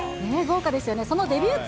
豪華ですよね。